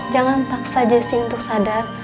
jangan paksa jessi untuk sadar